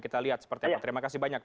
kita lihat seperti apa terima kasih banyak